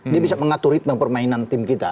dia bisa mengatur ritme permainan tim kita